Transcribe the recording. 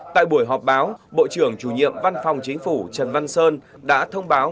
tại buổi họp báo bộ trưởng chủ nhiệm văn phòng chính phủ trần văn sơn đã thông báo